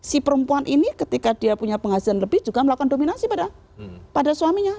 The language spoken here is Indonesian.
si perempuan ini ketika dia punya penghasilan lebih juga melakukan dominasi pada suaminya